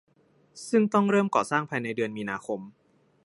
ซึ่งต้องเริ่มก่อสร้างภายในเดือนมีนาคม